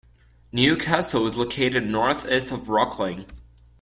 Newcastle is located northeast of Rocklin.